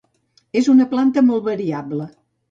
És una planta molt variable.